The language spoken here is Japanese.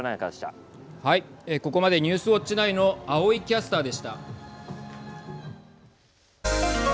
ここまでニュースウオッチ９の青井キャスターでした。